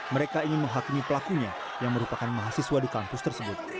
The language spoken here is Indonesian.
mereka ingin menghakimi pelakunya yang merupakan mahasiswa di kampus tersebut